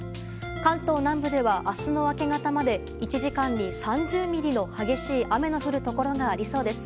関東南部では明日の明け方まで１時間に３０ミリの激しい雨の降るところがありそうです。